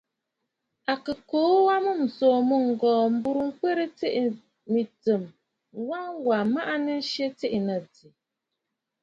À kɨ kuu wa a mûm ǹsòò mɨ̂ŋgɔ̀ɔ̀ m̀burə ŋkhɨrə tsiʼì mɨ̀tsɨm, ŋwa wà maʼanə a nsyɛ tiʼì nɨ àdì.